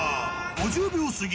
５０秒過ぎ